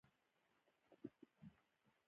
په سترګو او وريځو اشارې مه کوئ!